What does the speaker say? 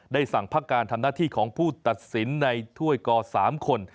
สั่งพักการทำหน้าที่ของผู้ตัดสินในถ้วยกอ๓คน